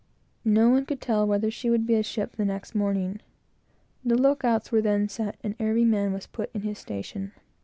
No one could tell whether she would be a ship the next morning. The look outs were then set, and every man was put in his station.